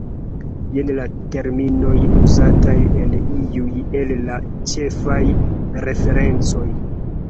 Jen la terminoj uzataj en iuj el la ĉefaj referencoj.